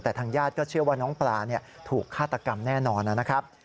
แต่ทางญาติก็เชื่อว่าน้องปลาถูกฆาตกรรมแน่นอนนะครับ